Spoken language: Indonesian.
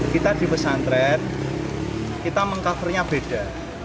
kita di pesantren kita meng covernya beda